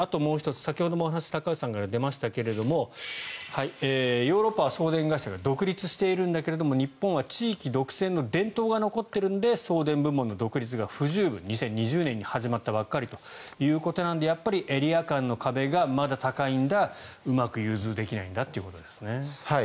先ほど高橋さんからも出ましたがヨーロッパは送電会社が独立しているんだけども日本は地域独占の伝統が残っているので送電部門の独立が不十分２０２０年に始まったばかりということなのでエリア間の壁がまだ高いんだうまく融通できないんだということですね。